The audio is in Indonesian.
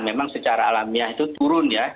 memang secara alamiah itu turun ya